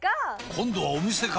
今度はお店か！